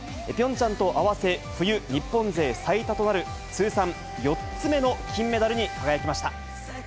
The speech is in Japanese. ピョンチャンと合わせ、冬、日本勢最多となる、通算４つ目の金メダルに輝きました。